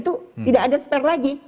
itu tidak ada spare lagi